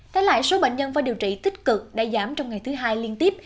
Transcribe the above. thay lại số bệnh nhân và điều trị tích cực đã giảm trong ngày thứ hai liên tiếp